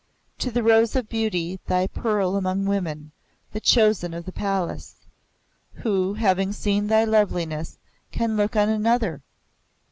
"To the Rose of Beauty, The Pearl among Women, the Chosen of the Palace. Who, having seen thy loveliness, can look on another?